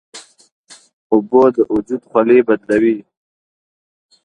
اوبه د وجود خولې بدلوي.